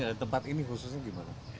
ada tempat ini khususnya gimana